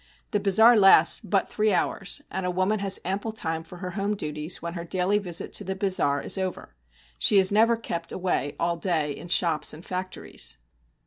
The bazaar lasts but three hours, and a woman has ample time for her home duties when her daily visit to the bazaar is over; she is never kept away all day in shops and factories.